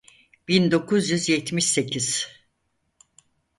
bin dokuz yüz yetmiş sekiz